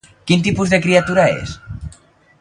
Quin tipus de criatura és?